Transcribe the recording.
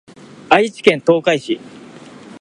愛知県東海市